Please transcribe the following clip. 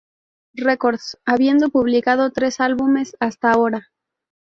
Records, habiendo publicado tres álbumes hasta ahora.